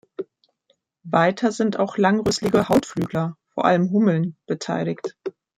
Weiter sind auch langrüsselige Hautflügler, vor allem Hummeln beteiligt.